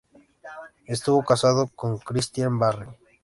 Estuvo casado con Christine Barrie.